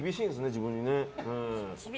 自分にね。